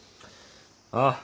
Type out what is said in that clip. ああ。